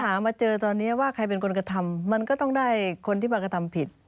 หามาเจอตอนนี้ว่าใครเป็นคนกระทำมันก็ต้องได้คนที่มากระทำผิด